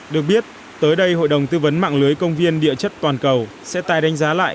được biết tới đây hội đồng tư vấn mạng lưới công viên địa chất toàn cầu sẽ tài đánh giá lại